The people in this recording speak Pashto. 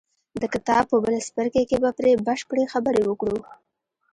د کتاب په بل څپرکي کې به پرې بشپړې خبرې وکړو.